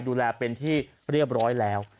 ดูแลเป็นที่เรียบร้อยแล้ว